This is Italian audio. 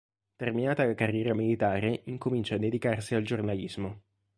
Terminata la carriera militare incomincia a dedicarsi al giornalismo.